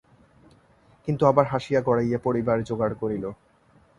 কিন্তু আবার হাসিয়া গড়াইয়া পড়িবার জোগাড় করিল।